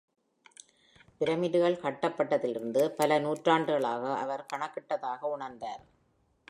பிரமிடுகள் கட்டப்பட்டதிலிருந்து பல நூற்றாண்டுகளாக அவர் கணக்கிட்டதாக உணர்ந்தார்.